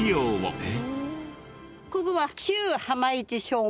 ここは。